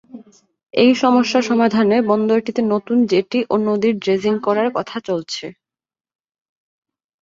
এই সমস্যা সমাধানে বন্দরটিতে নতুন জেটি ও নদীর ড্রেজিং করার কথা চলছে।